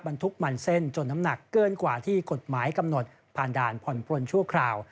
บรรทุกมันเส้นจนน้ำหนักเกินกว่าที่กฎหมายกำหนดผ่านด่านผ่อนปลนชั่วคราว